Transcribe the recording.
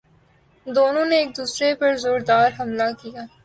دونوں نے ایک دوسرے پرزوردار حملہ کیا